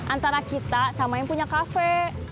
antara kita sama yang punya kafe